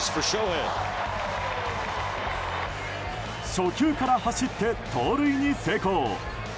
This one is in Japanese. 初球から走って盗塁に成功。